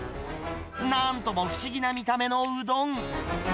なんとも不思議な見た目のうどん。